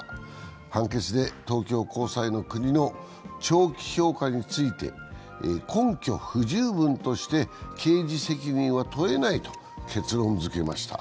判決で東京高裁は国の長期評価について根拠不十分として刑事責任は問えないと結論付けました。